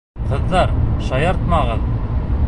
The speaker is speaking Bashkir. Ҡыҙҙар, шаяртмағыҙ!